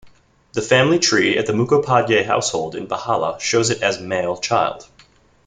The family tree at the Mukopadhyay household in Behala, shows it as male child.